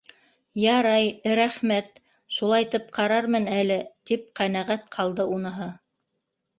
- Ярай, эрәхмәт, шулайтып ҡарармын әле, - тип ҡәнәғәт ҡалды уныһы.